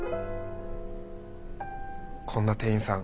こんな店員さん